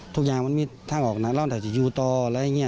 ทุกอย่างมันมีทางออกนะเราจะอยู่ต่ออะไรอย่างนี้